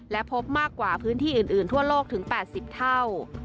และพบมากกว่าพื้นที่อื่นทั่วโลกถึง๘๐เท่า